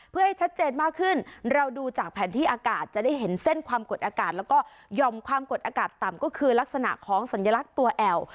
เพื่อให้ชัดเจนมากขึ้นเราดูจากแผนที่อากาศจะได้เห็นเส้นความกดอากาศแล้วก็ยอมความกดอากาศต่ำก็คือลักษณะของสัญลักษณ์ตัวแอว